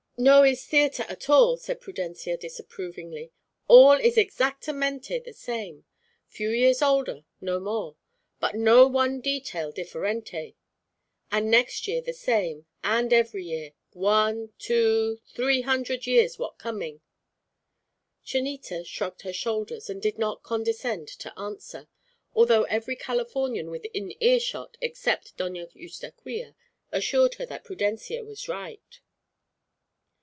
"No is theatre at all," said Prudencia, disapprovingly. "All is exactamente the same. Few years older, no more; but no one detail differente. And next year the same, and every year, one, two, three hundred years what coming." Chonita shrugged her shoulders, and did not condescend to answer, although every Californian within earshot, except Doña Eustaquia, assured her that Prudencia was right.